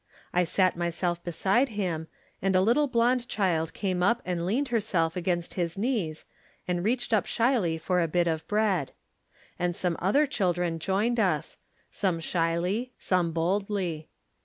I sat myself beside him, and a little blond child came up and leaned herself against his knees and reached up shyly for a bit of bread. And some other children joined us, some shyly, some boldly.